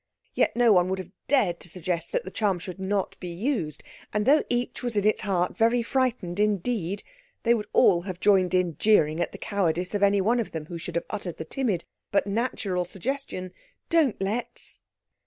Yet no one would have dared to suggest that the charm should not be used; and though each was in its heart very frightened indeed, they would all have joined in jeering at the cowardice of any one of them who should have uttered the timid but natural suggestion, "Don't let's!"